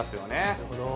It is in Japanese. なるほど。